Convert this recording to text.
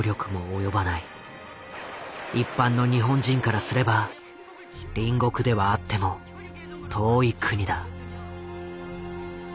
一般の日本人からすれば隣国ではあっても遠い国だ。